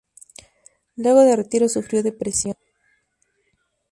Luego del retiro sufrió de depresión.